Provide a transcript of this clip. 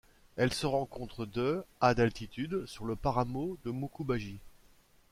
Elle se rencontre de à d'altitude sur le Páramo de Mucubají.